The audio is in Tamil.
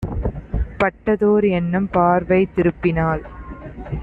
பட்டதோர் எண்ணம்! பார்வை திருப்பினாள்: